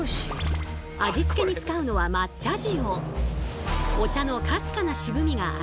味付けに使うのは抹茶塩。